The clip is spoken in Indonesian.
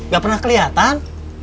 gak pernah keliatan